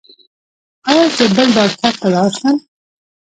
ایا زه بل ډاکټر ته لاړ شم؟